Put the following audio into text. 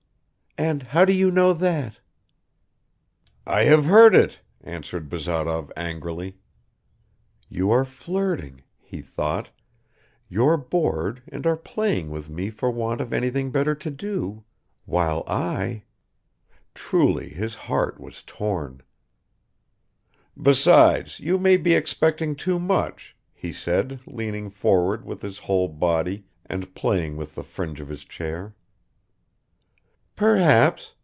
"And how do you know that?" "I have heard it," answered Bazarov angrily. "You are flirting," he thought. "You're bored and are playing with me for want of anything better to do, while I ..." Truly his heart was torn. "Besides, you may be expecting too much," he said, leaning forward with his whole body and playing with the fringe of his chair. "Perhaps.